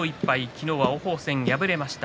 昨日は王鵬戦、敗れました。